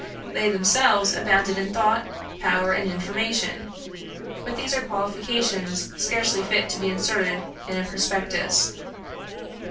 They themselves abounded in thought, power, and information; but these are qualifications scarcely fit to be inserted in a prospectus.